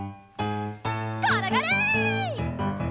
ころがれ！